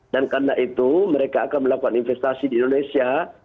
dan karena itu mereka akan melakukan investasi di indonesia